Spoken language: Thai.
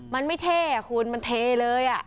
มันไม่เท่คุณมันเทเลย